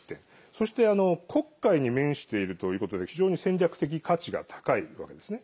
そして、黒海に面しているということで非常に戦略的価値が高いわけですね。